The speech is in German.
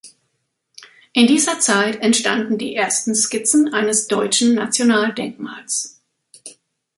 In dieser Zeit entstanden die ersten Skizzen eines „deutschen National-Denkmals“.